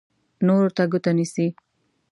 نورو ته ګوته نیسي.